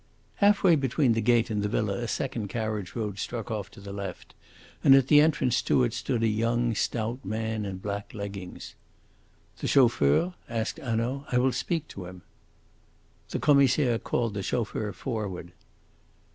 Half way between the gate and the villa a second carriage road struck off to the left, and at the entrance to it stood a young, stout man in black leggings. "The chauffeur?" asked Hanaud. "I will speak to him." The Commissaire called the chauffeur forward.